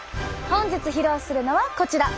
本日披露するのはこちら。